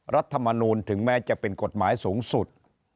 รัฐมนูลถึงแม้จะเป็นกฎหมายสูงสุด